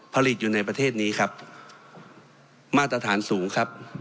ผลิตอยู่ในประเทศนี้ครับมาตรฐานสูงครับ